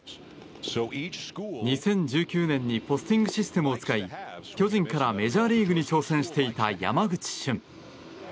２０１９年にポスティングシステムを使い巨人からメジャーリーグに挑戦していた山口俊。